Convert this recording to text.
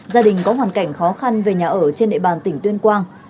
gia đình có hoàn cảnh khó khăn về nhà ở trên địa bàn tỉnh tuyên quang